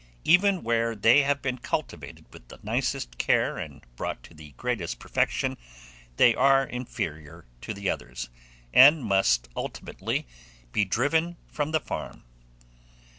Even where they have been cultivated with the nicest care and brought to the greatest perfection, they are inferior to the others, and must ultimately be driven from the farm.